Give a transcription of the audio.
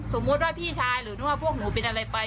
สมมุติว่าพี่ชายหรือว่าพวกหนูเป็นอะไรไป